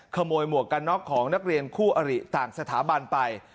หมวกกันน็อกของนักเรียนคู่อริต่างสถาบันไป